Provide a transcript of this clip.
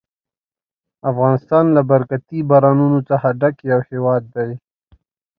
افغانستان له برکتي بارانونو څخه ډک یو هېواد دی.